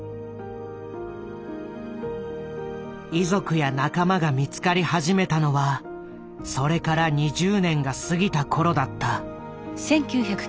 遺族や仲間が見つかり始めたのはそれから２０年が過ぎた頃だった。